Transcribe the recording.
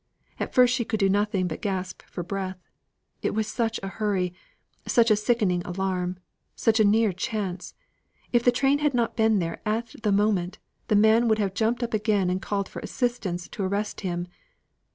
At first she could do nothing but gasp for breath. It was such a hurry; such a sickening alarm; such a near chance. If the train had not been there at the moment, the man would have jumped up again and called for assistance to arrest him.